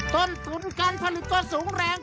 ต้นทุนการผลิตก็สูงแรง